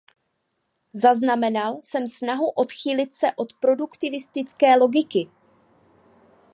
Zaznamenal jsem snahu odchýlit se od produktivistické logiky.